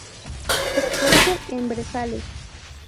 Frecuente en brezales.